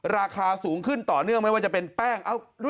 ราคาสูงขึ้นต่อเนื่องไม่ว่าจะเป็นแป้ง